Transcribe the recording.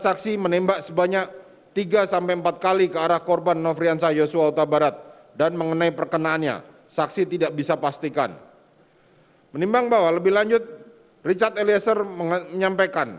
saksi mengatakan apakah senjatamu sudah diisikan